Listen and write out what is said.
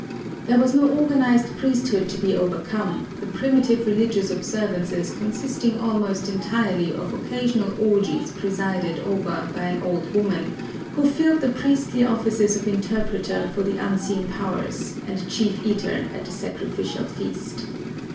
There was no organized priesthood to be overcome, the primitive religious observances consisting almost entirely of occasional orgies presided over by an old woman, who filled the priestly offices of interpreter for the unseen powers and chief eater at the sacrificial feast.